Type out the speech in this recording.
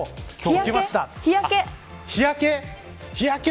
日焼け。